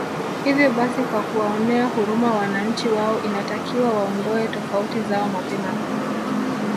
Hivo basi kwa kuwaonea huruma wananchi wao inatakiwa waondoe tofauti zao mapema